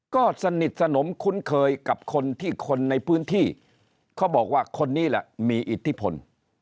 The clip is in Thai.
ก็สนิทสนมคุ้นเคยกับคนที่คนในพื้นที่เขาบอกว่าคนนี้แหละมีอิทธิพล